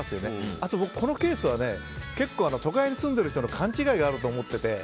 あと、このケースは結構都会に住んでいる人の勘違いがあると思っていて。